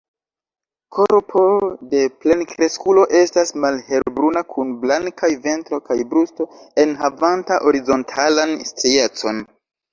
Korpo de plenkreskulo estas malhelbruna kun blankaj ventro kaj brusto enhavanta horizontalan striecon.